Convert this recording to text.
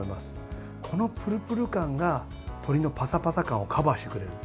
このプルプル感が鶏のパサパサ感をカバーしてくれる。